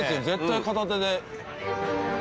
絶対片手で。